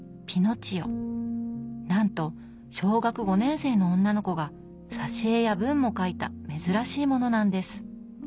なんと小学５年生の女の子が挿絵や文も書いた珍しいものなんです。